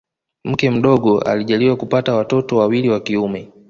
Mke mdogo alijaliwa kupata watoto wawili wa kiume